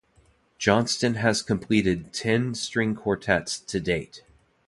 Johnston has completed ten string quartets to date.